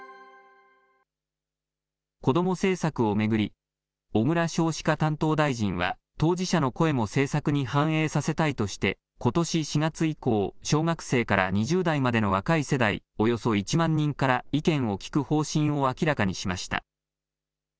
子ども政策を巡り、小倉少子化担当大臣は、当事者の声も政策に反映させたいとして、ことし４月以降、小学生から２０代までの若い世代、およそ１万人から意見を聞く方針